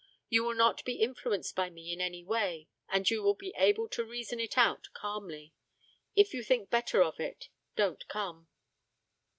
You will not be influenced by me in any way, and you will be able to reason it out calmly. If you think better of it, don't come.'